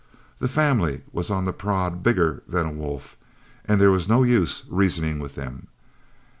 The family was on the prod bigger than a wolf, and there was no use reasoning with them.